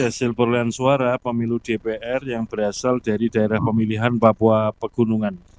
hasil perolehan suara pemilu dpr yang berasal dari daerah pemilihan papua pegunungan